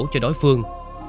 cho đối phương